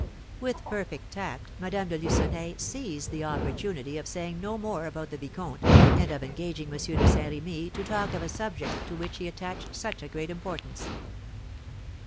With perfect tact Madame de Lucenay seized the opportunity of saying no more about the vicomte, and of engaging M. de Saint Remy to talk of a subject to which he attached such great importance.